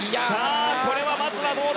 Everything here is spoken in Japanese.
これはまずはどうだ。